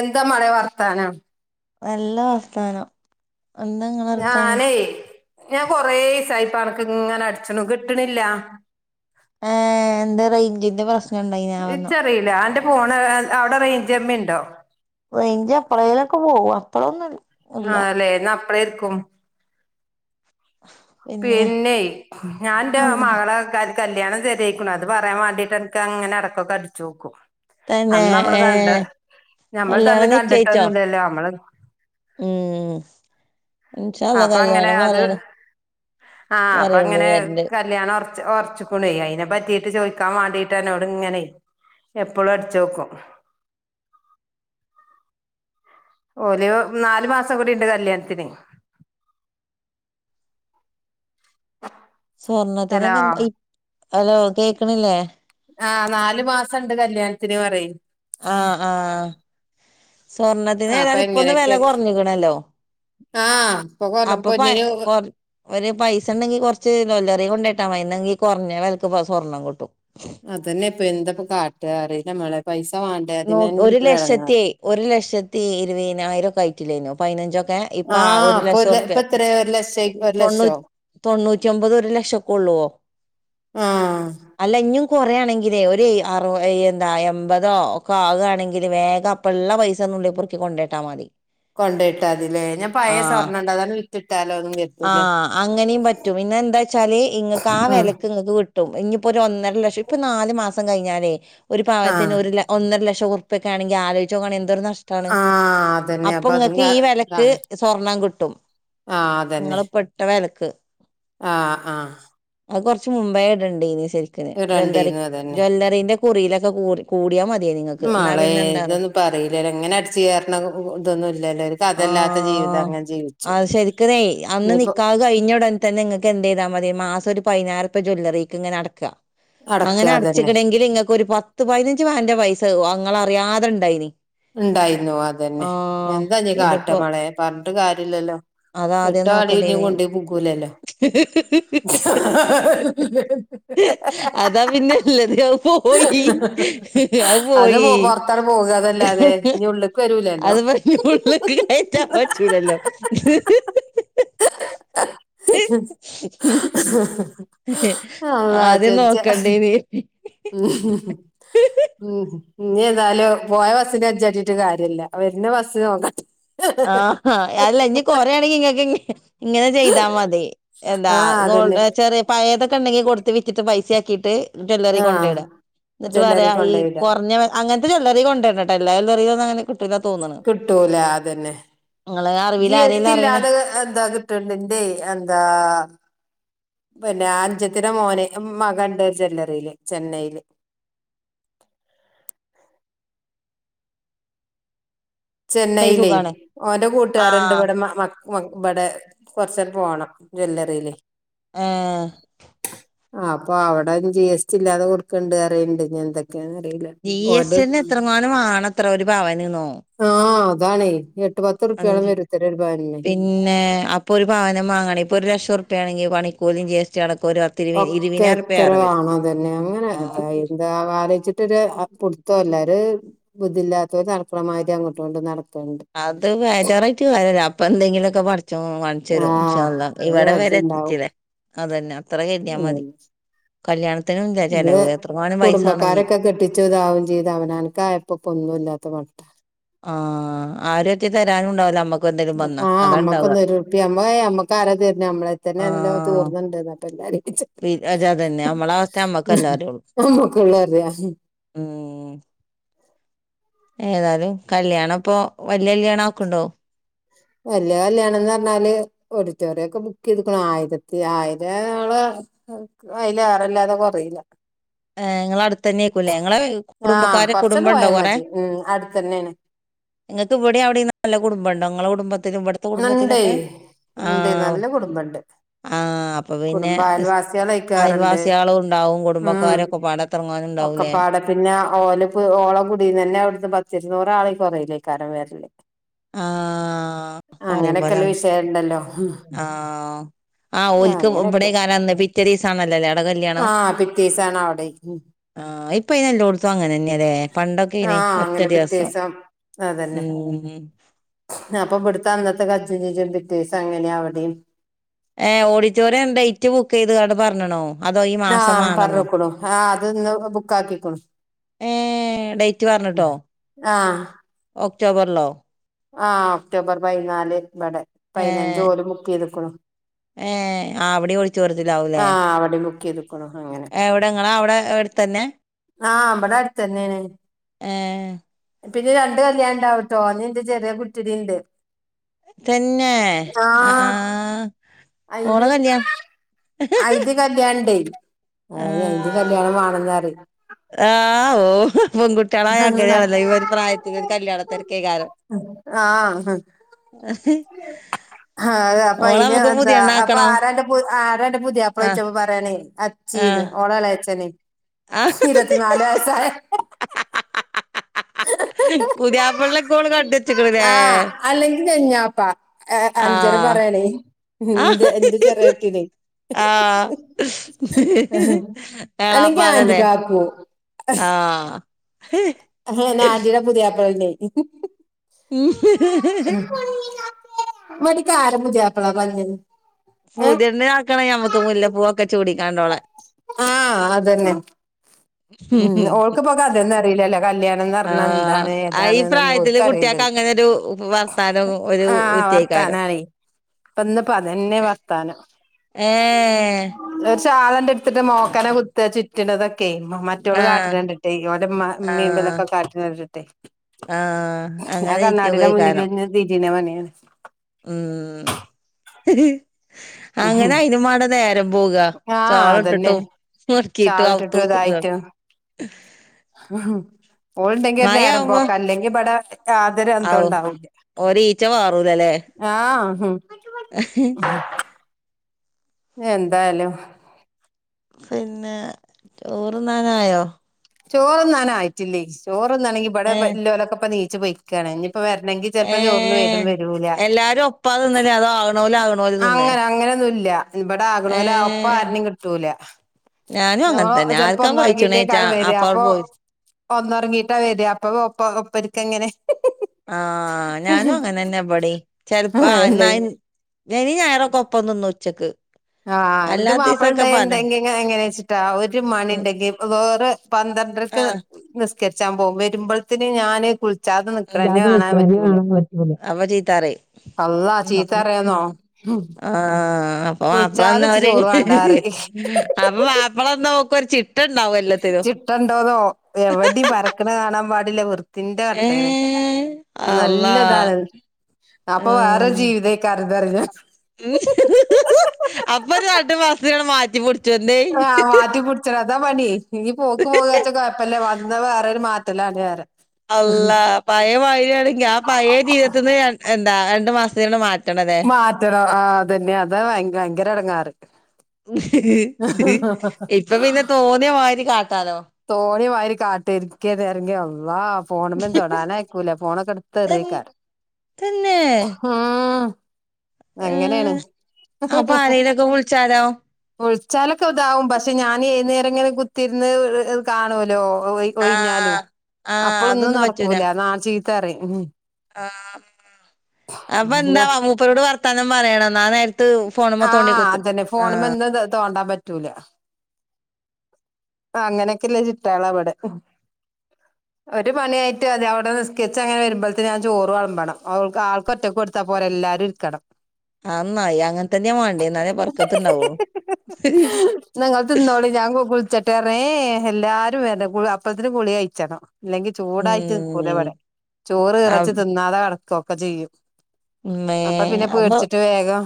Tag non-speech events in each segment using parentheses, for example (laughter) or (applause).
എന്താ മളെ വർത്താനം നല്ല വർത്തമാനം എന്താങ്ങനെ വർത്തമാനം ഞാനേ ഞാൻ കൊറെ സായിപ്പ അനക്ക് ഇങ്ങനെ അടിച്ചണു കിട്ടണില്ല റേഞ്ചിൻ്റെ പ്രശ്ന ഇച്ചറിയില്ല ആന്റെ പോണ റെയിഞ്ച് എപ്പഴേയിലൊക്കെ പോകും അപ്പഴ ഒന്നും ആ അല്ലെ എന്നാ അപ്പഴരിക്കും പിന്നെ ഞാൻ എൻ്റെ അള്ളാ മകളെക്ക കല്യാണം തര അത് പറയാൻ വേണ്ടീട്ട് എനക്ക് അങ്ങനെ ഇടക്കൊക്കെ അടചോക്കും തന്നെ അന്ന് നമ്മള് ഏ കണ്ട ഞമ്മൾ തമ്മി കണ്ടിട്ടന്നല്ലല്ലോ നമ്മള് മ്മ് ഇന്ഷാ അല്ലാഹ് കല്യാണം പറാ ആ അപ്പൊ അങ്ങനെ കല്യാണം ഉറച്ചിക്കുണ അതിനെ പറ്റിട്ട് ചോദിക്കാൻ വേണ്ടീട്ട് എന്നോട് ഇങ്ങനെ എപ്പോഴും അടച്ച്ക്കും ഓലോ നാലു മാസം കൂടിണ്ട് കല്യാണത്തിന് ഹലോ സ്വർണത്തിനൊക്കെ എന്താ ഹലോ കേക്കണില്ലേ ആ നാലു മാസം ഉണ്ട് കല്യാണത്തിന് പറയും ആ ആ സ്വർണ്ണത്തിന് ആഹ് അപ്പൊ ഏതാൽ ഇപ്പൊന്ന് വില എങ്ങനെയൊക്കെ കുറഞ്ഞിക്കണല്ലോ ആഹ് ഇപ്പൊ കൊറ അപ്പൊ പ പൊന്നിന് കൊ ഒരു പൈസ ഉണ്ടെങ്കി കൊറച്ച് ജ്വല്ലറി കൊണ്ട ഇട്ടാ മതി ന്നാ ഈ കുറഞ്ഞ വിലക്ക് സ്വർണ്ണം കിട്ടും അതന്നെ ഇപ്പൊ എന്തപ്പ കാട്ട് ആ അറീല മോളെ പൈസ. വാണ്ടേ ന അതിനന്നെ ഒരു ഇപ്പൊ ലക്ഷത്തി എടങ്ങേറ് ഒരു ലക്ഷത്തി ഇരുപതിനായിരം ഒക്കെ ആയിട്ടില്ലേനോ പതിനഞ്ചൊക്കെ (unintelligible) ഇപ്പൊ ആ ആഹ് ഒരു ഇപ്പൊ ലക്ഷംറുപ്യ ഇപ്പൊ എത്രേ ഒരു ലക്ഷായി ഒരു ലക്ഷോ തൊണ്ണൂറ്റി തൊണ്ണൂറ്റി ഒമ്പത് ഒരു ലക്ഷക്കെ ഉള്ളുവോ ആഹ് അല്ലഞ്ഞും കുറയാണെങ്കിലേ ഒരു അറു എന്താ എൺപതോക്ക ആകുകണെങ്കിൽ വേഗ അപ്പഴ ഉള്ള പൈസ ന്നുള്ളി പെറുക്കി കൊണ്ടേട്ടാ മതി കൊണ്ട ഇട്ടാതില്ലേ ഞാൻ ആ പയ സ്വ ർണ്ണംണ്ട അതാണ് വിട്ടിട്ടാലോ ഒന്നും ആ കരുതൂല്ലേ അങ്ങനെയും പറ്റും പിന്നെ എന്താ ച്ചാല് ഇങ്ങൾക്ക് ആ വിലയ്ക്ക് ഇങ്ങൾക്ക് കിട്ടും ഇനി ഇപ്പൊ ഒരു ഒന്നര ലക്ഷം ഇപ്പൊ നാല് മാസം കഴിഞ്ഞാലേ ഒരു പാവനത്തിന് ആഹ് ഒരു ഒരു ലക്ഷ കുപ്പൊക്കെണെങ്ക ആലോചോക്കെ എന്തോ (unintelligible) ഷ്ടാണ് ആ അതന്നെ അപ്പൊ അതും നിങ്ങക്ക് കാ ഈ വിലക്ക് ഇതാണ് സ്വർണം കട്ടി നിങ്ങള് പെട്ട വിലക്ക് ആ ആ അത് കുറച്ച് മുമ്പേ ഇടണ്ട് ഇനി ശെരിക്കിന് ജ്വല്ലറി രണ്ടീന്നും അതന്നെ ജ്വല്ലറിന്റെ കുറിയിലൊക്കെ കൂ കൂടിയാ മതി മളെ ഇതൊന്നും പറയില്ലല്ലോ ഇങ്ങനെ അടച്ച് കയറണ ഇതൊന്നും ഇല്ലല്ലോ ഒരു കഥല്ലാത്ത ജീവിതം ഇതങ്ങെ ജീവിച്ചു ശരിക്കനേ അന്ന് ഇനിയിപ്പോ നിക്കാ കഴിഞ്ഞോടൻ തന്നെ നിങ്ങക്ക് എന്ത് ചെയ്താ മതിയ മാസം ഒരു പതിനായിർപ്പ്യ ജ്വല്ലറിക്ക് ഇങ്ങനെ അടക്കുക അടക്കുക അങ്ങനെ അതന്നെ അടച്ചിക്കണെങ്കിൽ ഇങ്ങക്ക് ഒരു പത്ത് പതിനഞ്ച് പന്റെ പൈസ ഇങ്ങളെ അറിയാതെണ്ടായിനി ണ്ടായിന്നോ അതന്നെ എന്താ നീ കാട്ട ഇതിപ്പോ മാളെപറഞ്ഞിട്ട് കാര്യല്ലല്ലോ അതാദ്യം എട്ടാ ആടി നോക്കണ്ടേനി (unintelligible) കൂലല്ലോ അതാ പിന്നെ ഇള്ളത് അത് പോയി (unintelligible) (unintelligible) അത് പുറത്ത പോകതെ ല്ലതെ ന ഉള്ളേക്ക് വരൂലല്ലോ അതിപ്പോ ഉള്ള്ക്ക് കയറ്റാൻ പറ്റൂലല്ലോ (unintelligible) ആദ്യം നോക്കണ്ടേനി (unintelligible) (unintelligible) (unintelligible) ഇനി എന്തായാലും പോയ ബസ്സിനന് കജാട്ടീ ട്ട് കാര്യല്ല വരെ ബസ്സ് നോക്ക ആ അല്ല ഇനി കൊറ ആണെങ്കി ഇങ്ങക്ക് ഇങ്ങനെ ചെയ്താ മതി എന്താ ആ അതന്നെ (unintelligible) പയതൊക്കെണ്ടെിൽ കൊടുത്ത് വറ്റിട്ട് പൈസ ആക്കിയിട്ട് ജ്വല്ലറി ആഹ് കൊണ്ടയ്ട എന്നിട്ട് ജ്വല്ലറി പറയാ ഈ കൊണ്ടോയിടാ കുറഞ്ഞ അങ്ങനത്തെ ജ്വല്ലറി കൊണ്ട (unintelligible) കിട്ടൂല അതന്നെ ഇങ്ങളെ അറിവിൽ ജി സ് ടി ആരേലും അറിയണ ഇല്ലാതെ എന്താ കിട്ടണ്ടേ ന്തേ എന്താ പിന്നെ അനുജത്തിന്റെ മോനെ മക ണ്ട് ജ്വല്ലറിയില് ചെന്നൈയില് ണ്ടെങ്കി ചെന്നൈയിലേ സുഖാണ് ഓന്റെ കൂട്ടുകാരുണ്ട് ആഹ് ഇവിടെ മ ഇബടെ കൊറച്ചു പോണം ജ്വല്ലറിയിലെ ഏഹ് ആഹ് അപ്പൊ അവിടെ ജി എസ് ടി ഇല്ലാതെ കൊടുക്കണ് ണ്ട് അറിയണ് ണ്ട് ഇങ്ങനത്തെക്കെ ജി എസ് ടി എന്നെ എത്ര മാനം മാണ ത്ര ഒരു പവന് ന്നോ ആഹ് അതാണ് (inaudible) പിന്നെ അപ്പൊ ഒരു പവന് മാങ്ങണെ ഇപ്പൊ ഒരു ലക്ഷം ഉറുപ്പയാണെങ്കി പണിക്കൂലി ജി എസ് ടി അടക്ക ഒക്കെ എത്രണോ തന്നെ അങ്ങനെ അതാ ആഹ് എന്താ ആലോയിച്ചിട്ടൊരു (inaudible) ള്ളേര് ബുദ്ധില്ലാത്തോര് നടക്കണമാതിരി അങ്ങോട്ടും ഇങ്ങോട്ടും നടക്ക്‌ അത് ബേജാറായിട്ട് കാര്യല്ല അപ്പൊ എന്തെങ്കിലൊക്കെ പടച്ചോൻ കാൺച്ചെരും ഇൻഷാ അള്ളാ ഇവടെ വെരെ ണ്ടാവും അതെന്നെ അത്ര കെര് തിയ മതി കല്യാണത്തിനുംല്ലെ ഇത് ചെലവ് എത്ര കുടുംബക്കാരൊക്കെ കെട്ടിച്ചു താവും ചെയ്ത് അവനാൻക്കായപ്പോ ഇപ്പ ഒന്നും ഇല്ലാത്ത മട്ട ആ ആരെട്ത്ത് തെരാനുംണ്ടാവൂലെ ഞമ്മക്ക് ആ നമ്മക്കൊന്നൊരുറുപ്യ ഏ നമ്മക്കാര തെര്ണെ നമ്മളെത്തന്നെ (unintelligible) പ്പ എല്ലാരും (unintelligible) അതെന്നെ നമ്മളവസ്ഥ നമ്മക്കല്ലെറിയുള്ളു നമ്മക്കുള്ള അറിയാ ഉം ഏതായാലും കല്യാണംപ്പൊ വല്യ കല്യാണാക്ക്ണ്ടോ വല്യ കല്യാണംന്ന് പറഞ്ഞാല് ഓഡിറ്റോറിയൊക്കെ ബുക്ക് ചെയ്ത്ക്ക്ണ് ആയിരത്തി ആയിരം ആള് അയ്ല് ഏറല്ലാതെ കൊറീല്ല ഏ ഇങ്ങളെ അട്ത്തെന്നെക്കും ല്ലെ ഇങ്ങള് ആഹ് കുടുംബക്കാര് കൊറച്ചണ്ട് കുടുംബംണ്ടോ പോയാ കൊറെ മതി ഉം അടുത്തന്നേണ് ങ്ങക്ക് ഇവടെ അവടെ നല്ല കുടുംബംണ്ടോ ങ്ങളെ കുടുംബത്തിലും ഇവ്ട്ത്തെ കുടുംബത്തിലൊക്കെ ആ ണ്ട് നല്ല കുടുംബണ്ട് ആ അപ്പൊ പിന്നെ കുടുംബം സ് അയൽവാസ്യാള് അയ്ൽക്കേറണ്ട് അയൽവാസികളും ഉണ്ടാവും ഉം ഉം കുടുംബക്കാരൊക്കെ പാടെ തിറങ്ങാനുണ്ടാവൂലേ ഒക്കെപ്പാടെ പിന്നെ ഓല്പ്പോ ഓളെ കുടീന്നെന്നെ അവ്ട്ന്ന് പത്തിരുന്നൂറള് കൊറീലേക്കാരം വെര്ല് ആ അങ്ങനെയൊക്കെല്ല വിഷ ആഹ് ആ ആഹ് ഓൽക്ക് ഇവിടെ അങ്ങനെയൊക്കെ കാലംന്ന് പിറ്റേ ദിവസ ആണല്ലോല്ലേ ആഹ് പിറ്റേ ദെവസാണ് അവിടെ ആഹ് ഇപ്പ ഇത്‌യെല്ലോടത്തും അങ്ങനെ തന്നെയാണ് പണ്ടൊക്കെയാനെ ആഹ് അങ്ങനെ ഒറ്റദിവസം പിറ്റേസം അതന്നെ ഉം ഉമ് (unintelligible) അപ്പൊ ഇവിടുത്തെ അന്നത്തെ (unintelligible) പിറ്റേസം അങ്ങനെയ അവിടെയും ഏഹ് ഓഡിറ്റോറിയം ഡേറ്റ് ബുക്ക് ചെയ്തണ്ട് അത് പറഞ്ഞണോ ആഹ് പറഞ്ഞെക്കുണു അഹ് അത് ഇന്ന് ബുക്ക് ആക്കിക്കൊളു ഏ ഡേറ്റ് പറഞ്ഞിട്ടോ ആഹ് ഒക്ടോബറിലോ ആഹ് ഒക്ടോബർ പതിനാല് ഇവിടെ പതിനഞ്ച് ഏഹ് ഓരും ബുക്ക് ചെയ്ത്ക്കണു ഏഹ് ആഹ് അവടിം ഓഡിറ്റോറിയത്തിലാവുംല്ലേ ആഹ് അവിടെയും ബുക്ക് ചെയ്തു എവിടെ നിങ്ങളാ അവിടെ അടുത്ത്തന്നെ ആഹ് ഇവിടെ അടുത്തന്നെയാണ് ഏഹ് പിന്നെ രണ്ട് കല്യാണം ഉണ്ടാവുട്ടോ അന്ന് എന്റെ ചെറിയ കുട്ടിടേം ഉണ്ട് തന്നെ ആഹ് ഓളെ അയിന് കല്യാണം ഹിഹിഹി ഡേയ്‌ (unintelligible) ആ ആ ഓ പെൺകു - കള അങ്ങനാണല്ലോ ഈ ഒരു പ്രായത്തിൽ ഒരു കല്യാണ തിരക്കേകാരം (inaudible) ആഹ് ആ അതാ അയിന് എന്താ അപ്പൊ ആരാ എന്റെ പു ആരാ എന്റെ ആഹ് പുതിയപ്പളോഴിച്ചപ്പോ പറയാൻ അച്ചീന്ന് ആഹ് ഓളെലയച്ചന് ആഹ് ഇരുപത്തിനാല് വയസായ പുതിയിപ്പിളെയൊക്കെ ഓള് കണ്ട് വെച്ചക്കണുയില്ലേ ഞാപ്പാ അഞ്ജന പറയണേ എ എന്റെ ചെറിയ കുട്ടീനെ- ആഹ് അല്ലെങ്കി ആന്റി എളാപ്പാന്നല്ലേ? കാക്കു ആഹ് നാദീടെ പുതിയാപ്പളണ്ടെ (unintelligible) പുതിയാപ്പളാ (unintelligible) ഏഹ് പുതിയണ്ണിനെ ആക്കണേ ഞമ്മക്ക് മുല്ലപ്പൂവൊക്കെ ചൂടി. ആദ്യം. അതെന്നെ ഉം ഓൾക്ക് പോ അതെന്ന അറിയില്ലല്ലേ ആ കല്യാണംന്നറിഞ്ഞ എന്താണ് ആ ഈ ഏതാണന്നൊന്നും പ്രായത്തില് കുട്ടിയാക്ക് ഓൽക്കറിയില്ലല്ലോ അങ്ങനൊരു വർത്താനം ഒരു ആ വിദ്യയ്ക്കാരം വർത്തനറി പ്പ ഇന്നിപ്പ അതെന്നെ വർത്താനം ഏ ചാലന്റെ എടുത്തിട്ട് മോക്കനെ കുത്ത് ചുറ്റിനതൊക്കെ കുറ്റികള് ആ കാട്ടിനണ്ടിട്ടേ ഓൻ്റ മ്മ ആ മുൻമ്പിലൊക്കെ കാട്ടണണ്ടിട്ടെ ആ ആ അങ്ങനെ കണ്ണാടിടെ വിറ്റൊക്കെയ്ക്കാരം മുന്നിലിര്ന്ന് തിരിണ പണിയാണ് ഉം അങ്ങനെ അയിനും മാണ്ടെ നേരം പോവ ആഹ് സാള് അതന്നെ ഇട്ട്ട്ടും മുറിക്കിട്ട് അവ്ത്ത് ഷാളിട്ടിട്ടും കുത്തിർന്നാണ്ട് ഉ ഓൾ ഉണ്ടെങ്കി നേരംപോക്കാ അല്ലെങ്കിബട ഔ ഒരീച്ച പാറൂലല്ലേ ആഹ് എന്തായാലും പിന്നെ ചോറ്ന്നാനായോ ചോറൊന്നാന ആയിട്ടില്ലേ ചോറൊന്നാണെങ്കി ഇവിടെ ഏ വല്ലോലൊക്കെ ഇപ്പ നീച്ചു പൊയ്കാണ് ഇപ്പ വർണെങ്കി ചെലപ്പോ ഏ ചോറിനുവെരും വരൂല എല്ലാരും ഒപ്പാ തിന്നല് അതോ ആകണോല് ആകണോല് അം തിന്നേ അങ്ങനെ അങ്ങ ന്നുല്ല ഇവിടെ ആകണ ഏ ആ പ്പ ആരനെയും കിട്ടൂല ഞാനും ഞമ്മ അങ്ങനെ തന്നെ ചിലപ്പോ ആർക്കാ ഒന്നും ഒറങ്ങീട്ടേക്കാ പയിച്ചണേച്ചാ രം വര അപ്പാ അപ്പൊ പോയി ഒന്നുറങ്ങിട്ടാ വര അപ്പൊ ഒപ്പ ഒപ്പര്ക്കങ്ങനെ ആ ഞാനും അങ്ങനെന്നെ ബടീം ചെലപ്പോ അല്ലേ ന ശനി ഞായറൊക്കൊപ്പം നിന്നു ഉച്ചക്ക് ആഹ് എന്റെ അല്ലാത്തീസൊക്കെ പല മാപ്പിളണ്ടണ്ടെങ്കി എങ്ങനെ വെച്ചിട്ടാ ഒരു മണി ഉണ്ടെങ്കിൽ വേറെ പന്ത്രണ്ടരക്ക് ആഹ് നിസ്കരിച്ചാൻ പോകും വരുമ്പോഴത്തിന് ഞാന് കുളി (unintelligible) അപ്പ ചീത്താറയും അള്ളാ ചീത്ത അറിയാന്നോ ആ അപ്പൊ വിളിച്ചാതെ ഇച്ച് മാപ്പിളന്നര് ചോറ് വേണ്ടാറിയും അപ്പൊ മാപ്പിളന്ന് നോക്ക ഒരു ചി ചിട്ടണ്ടോതോ എവി ടീം പരക്കണ കാണാൻ പാടില്ലേ വ ത്തിന്റെ കട്ടേണ് ഏഹ് അള്ളാ നല്ലതാണ് അപ്പൊ വേറെ ആഹ് ജീവിതക്കാ ത്റഞ്ഞ അപ്പൊ ഒരു രണ്ട് മാസം മാറ്റിപുടി ആ മാറ്റി പുട് എന്താ പണി ഈ പോക്ക് പോകാച്ച കൊഴപ്പല്ല വന്ന് വേറൊരു മാറ്റല്ലാണ് വേറെ അല്ല പഴയ വഴിയാണെങ്കി ആ പഴയ ജീവിതത്തീന്ന് എന്താ രണ്ടു മാസാണ് മാ മാറ്റണം ആ അതന്നെ അതാ ഭയങ്കര എടങ്ങാറ് ഇപ്പ പിന്നെ തോന്നിയ മാതിരി കാ തോണി മാരി കാട്ട ഇരിക്കേ നെരങ്ങെ അള്ളാ ഫോണ്മ തൊടാനയ്ക്കൂല ഫോണക്കെ എടുത്ത് തൻ എറിയക്കാര തന്നെ അങ്ങനെണ് ഏഹ് അപ്പൊ ആരേലൊക്കെ വിളിച്ചാലോ? ചിലർക്ക് ഇതാവും പക്ഷെ ഞാൻന്നേര എങ്ങനെ കുത്തിരുന്ന് കാണുമലോ ഒയി പോയി ഞ്ഞാലും ആഹ് ആഹ് അപ്പളൊന്നും നടക്കൂല നാ ചീത്തറ ആ അപ്പൊ എന്താ മൂപ്പരോട് വർത്താനം പറയണം നാന ആ അതന്നെ ഫോണന്ന് തോണ്ടൻ പറ്റൂല അങ്ങനൊക്കെല്ലേ ചിട്ടാള അവിടെ ഒരു മണിയായിട്ട് അതി അവിടെ നി സ്കെച്ച് അങ്ങനെ വരുമ്പോഴത്തെ ഞാൻ ചോറ് കളമ്പണം ആൾക്ക് ഒറ്റക്ക് കൊടുത്താ പോലെല്ലാം എല്ലാരുംരിക്കണം അത് നന്നായി അങ്ങനെ തന്നാ വേണ്ടേ എന്നാലേ പറക്കത്ത്ണ്ടാവൂ ഞങ്ങ തിന്നോളി ഞാൻ കുളിച്ചട്ടെർഞ്ഞ ഏ എല്ലാരും (unintelligible) അപ്പഴത്തിന് കുളി കയ്ച്ചണം ഇല്ലെങ്കി ചൂടായിട്ട് നിക്കൂലെ ഉം ഇവിടെ ചോറ് ഇറച്ച് തിന്നാതെ കിടക്കുകൊക്കെ ചെയ്യും അമ്മേ അപ്പൊ പിന്നെ പേടിച്ചിട്ട് വേഗം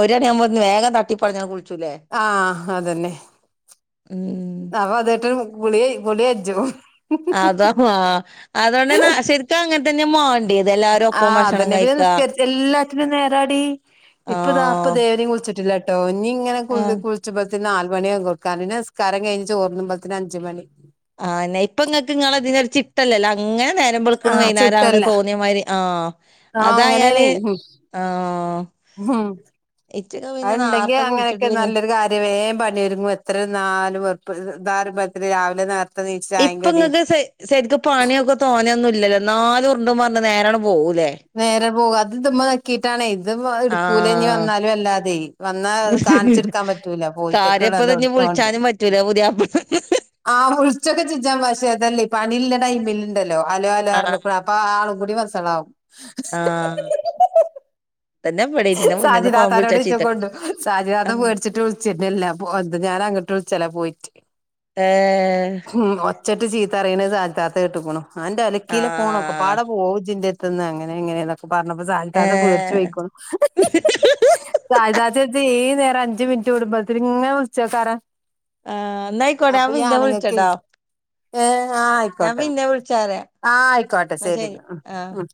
ഒര് മണിയവുമ്പത്തേന് വേഗം തട്ടി പെടഞ്ഞ് ഒന്ന് കുളിച്ചൂലേ? ആഹ് അതന്നെ ഉം അപ്പൊ അത് കുളി ഗുളി കജ്ജും അതാ ആഹ് അതുകൊണ്ട് (unintelligible) ശരിക്കും അങ്ങനെ തന്നെ മാണ്ട് ആഹ് അതെന്നെ പിന്നെ നിസ്കരി എല്ലാറ്റിനും നേരാടി ഇപ്പൊതാ ഇപ്പ ആഹ് ഇതുവരെയും കുളിച്ചിട്ടില്ല. ട്ടോ ഇനി ഇങ്ങനെ കു ആഹ് കുളിച്ചുമ്പഴത്തിന് നാല് മണിയാകും (unintelligible) കൊടുക്കാ പിന്നെ നിസ്കാരം കഴിഞ്ഞ് ചോർന്നുമ്പോത്തിന് അഞ്ച് മണി. ല്ലല്ലോ അങ്ങനെ നേരം വെളുക്കണ് ആഹ് വൈന്നേരാവണ് ചിട്ടല്ല തോന്നിയമാതിരി ആഹ് ആ അങ്ങനെയാണേ അതായാല് ഉം ആഹ് ഇച്ചൊക്കെ അത് പിന്നെ ഇണ്ടെങ്കി നാർത്തെ അങ്ങനെയൊക്കെ കുളിച്ചിട്ടില്ലെങ്കി നല്ലൊരു കാര്യാ വേഗം പണിയൊരുങ്ങും എത്ര ഇരുന്നാലും വെറുപ്പ് (unintelligible) (unintelligible) രാവിലെ നേരത്ത് ഇപ്പ ഇങ്ങക്ക് സെ സെരിക്ക് പണിയൊക്കെ തോനെയൊന്നും ഇല്ലല്ലോ ഇന്നാലും ഉരിണ്ട് മറഞ്ഞ് നേരങ്ങ് പോവു നേരം പോവും അത് ഇതുമ്മെ നെക്കീട്ടാണെ ഇത് (unintelligible) ഇടുക്കൂല ഇഞ് ആഹ് വന്നാലും അല്ലാതെ വന്നാ കാണിച്ചെടുക്കാൻ പറ്റൂല പോയിറ്റൊക്കെ ഇള്ളതും (unintelligible) ച്ചാനും പറ്റൂല പുതിയാപ്പള ആഹ് ഒളിച്ചൊക്കെ (unintelligible) പഷേ അതല്ലേ പണി ഇള്ള ടൈമില്ണ്ടല്ലോ അലോ അലോ ആഹ് പറിഞ്ഞിക്കണു അപ്പൊ ആളും കൂടി വസളാവും. ആഹ് അതന്നെ ഇവിടേം ഇന്റെ മുന്നിന്ന് ഫോൺ സാജിദാത്താനോട് വിളിച്ചാ ചീത്ത ഈച്ചോകോണ്ടു സാജിദാത ആഹ് പേടിച്ചിട്ട് വിളിച്ചിരുന്നില്ല അപ്പൊ ഒന്ത് ഞാൻ അങ്ങോട്ട് വിൾ ചെലാ പോയിട്ട് ഏഹ് തറീണെ സാജ്താത്ത ക കേട്ട്കുണു ആന്റെ അലക്കിയിലെ പോണോക്കെ പാട ആഹ് പോജിന്റെര്ത്ത്ന്ന് അങ്ങനെ ഇങ്ങനെ ന്നൊക്കെ പർഞ്ഞപ്പോ സാജ്താത്ത ഏഹ് പേട്ച്ചോയ്ക്ക്ണു. സായ്താത്ത ഓയ്ച്ച ഈ നേര് ഒരു അഞ്ച് മിനിറ്റ് കൂടുമ്പോത്ന് ഇങ്ങെ വിളിച്ചോ കാര ആഹ് എന്നായിക്കോട്ടെ അപ്പ ഞാൻ ഈ പിന്നെ ആണ്ങ്ങക്ക്ൻജ് ഏഹ് ആഹ് ഞാ ആയിക്കോട്ടെ പിന്നെ വിൾച്ചാറ് ആഹ് അയിക്കോട്ടെ ശെരിന്ന ഉം ഉം